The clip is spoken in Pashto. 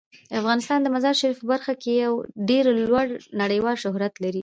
افغانستان د مزارشریف په برخه کې یو ډیر لوړ نړیوال شهرت لري.